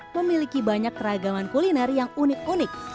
memiliki banyak keragaman kuliner yang unik unik